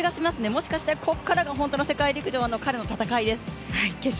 もしかしてここからが本当の世界陸上の彼の戦いです。